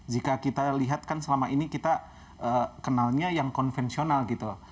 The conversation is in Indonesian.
jika kita lihat kan selama ini kita kenalnya yang konvensional gitu